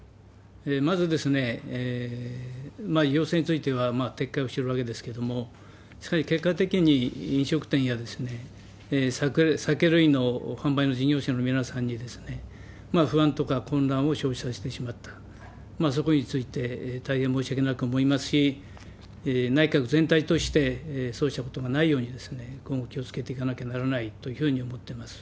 まず、要請については撤回をしてるわけですけれども、しかし、結果的に飲食店や酒類の販売の事業者の皆さんに、不安とか混乱を生じさせてしまった、そこについて大変申し訳なく思いますし、内閣全体としてそうしたことがないように、今後気をつけていかなければならないというふうに思ってます。